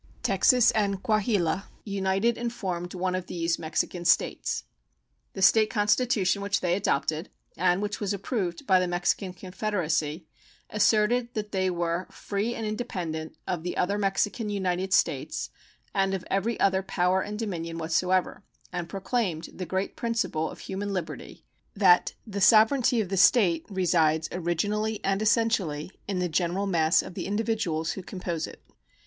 Texas and Coahuila united and formed one of these Mexican States. The State constitution which they adopted, and which was approved by the Mexican Confederacy, asserted that they were "free and independent of the other Mexican United States and of every other power and dominion whatsoever," and proclaimed the great principle of human liberty that "the sovereignty of the state resides originally and essentially in the general mass of the individuals who compose it."